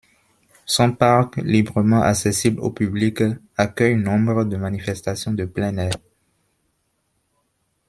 Son parc, librement accessible au public, accueille nombre de manifestations de plein air.